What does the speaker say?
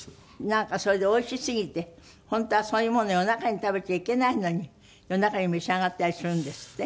なんかそれでおいしすぎて本当はそういうものを夜中に食べちゃいけないのに夜中に召し上がったりするんですって？